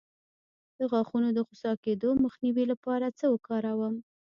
د غاښونو د خوسا کیدو مخنیوي لپاره څه وکاروم؟